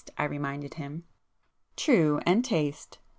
I reminded him. "True,—and taste.